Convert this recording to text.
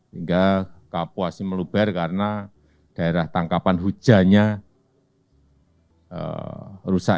hingga kapuasnya meluber karena daerah tangkapan hujannya rusak